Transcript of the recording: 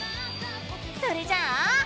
それじゃあ！